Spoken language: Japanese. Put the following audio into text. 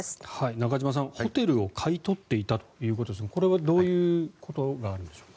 中島さん、ホテルを買い取っていたということですがこれはどういうことがあるんでしょうか。